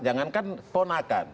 jangan kan tonakan